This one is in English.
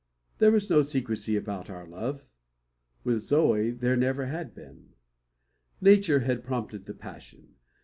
There was no secrecy about our love; with Zoe there never had been. Nature had prompted the passion.